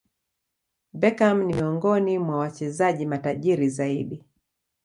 Beckham ni miongoni mwa wachezaji matajiri zaidi